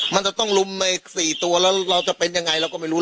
มันจะต้องลุมไป๔ตัวแล้วเราจะเป็นยังไงเราก็ไม่รู้